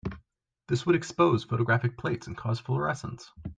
This would expose photographic plates and cause fluorescence.